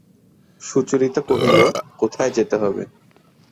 সুচরিতা কহিল, কোথায় যেতে হবে?